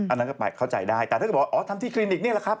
อันนั้นก็เข้าใจได้แต่ถ้าเขาบอกทำที่คลินิกนี่แหละครับ